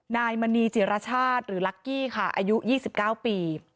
นายมณีจิรชาติหรือลักกี้ค่ะอายุ๒๙ปี